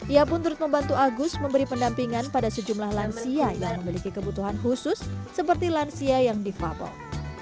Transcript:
ia pun turut membantu agus memberi pendampingan pada sejumlah lansia yang memiliki kebutuhan khusus seperti lansia yang difabel